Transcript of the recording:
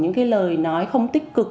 những cái lời nói không tích cực